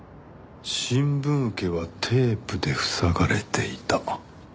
新聞受けはテープで塞がれていた。